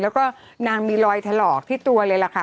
แล้วก็นางมีรอยถลอกที่ตัวเลยล่ะค่ะ